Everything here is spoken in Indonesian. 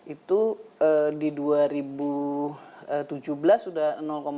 itu di dua ribu tujuh belas sudah tujuh